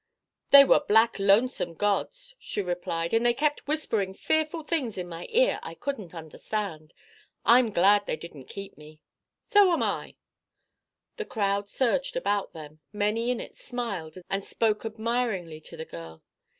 "They were black lonesome gods," she replied, "and they kept whispering fearful things in my ear I couldn't understand. I'm glad they didn't keep me." "So am I." The crowd surged about them; many in it smiled and spoke admiringly to the girl.